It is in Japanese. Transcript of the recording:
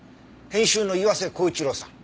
編集の岩瀬厚一郎さん